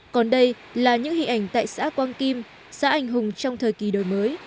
còn đây là những hình ảnh tại xã quang kim xã anh hùng trong thời kỳ đổi mới